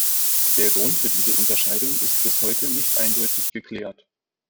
Der Grund für diese Unterscheidung ist bis heute nicht eindeutig geklärt.